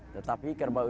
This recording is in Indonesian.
tetapi kerbau itu